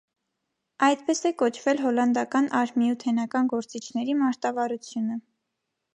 Այդպես է կոչվել հոլանդական արհմմիութենական գործիչների մարտավարությունը։